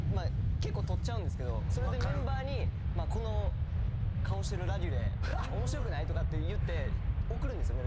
結構撮っちゃうんですけどそれでメンバーにこの顔してるラデュレ面白くない？とかっていって送るんですよ